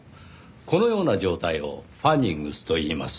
このような状態をファニングスといいます。